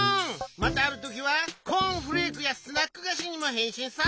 またあるときはコーンフレークやスナックがしにもへんしんさ！